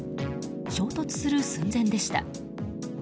衝突する寸前でした。